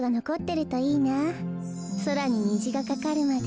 そらににじがかかるまで。